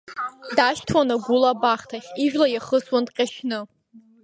Дашьҭуан агәыла абахҭахь, ижәла иахысуан дҟьашьны.